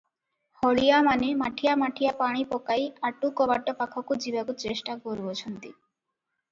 ହଳିଆମାନେ ମାଠିଆ ମାଠିଆ ପାଣି ପକାଇ ଆଟୁ କବାଟ ପାଖକୁ ଯିବାକୁ ଚେଷ୍ଟା କରୁଅଛନ୍ତି ।